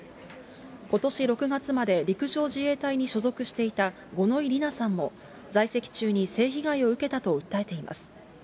ことし６月まで陸上自衛隊に所属していた五ノ井里奈さんも在籍中に性被害を受けたと訴えています。